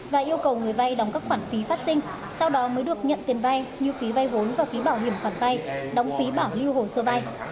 và yêu cầu người ve đóng các khoản phí phát sinh sau đó mới được nhận tiền ve như phí ve vốn và phí bảo hiểm khoản ve đóng phí bảo lưu hồ sơ ve